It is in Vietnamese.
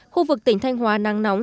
khu vực tỉnh thanh hóa nắng nóng